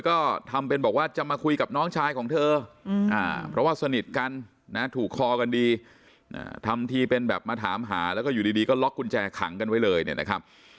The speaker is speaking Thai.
ก็ทำเป็นบอกว่าจะมาคุยกับน้องชายของเธอเพราะว่าสนิทกันนะถูกคอกันดีทำทีเป็นแบบมาถามหาแล้วก็อยู่ดีก็ล็อกกุญแจขังกันไว้เลยเนี่ยนะครับ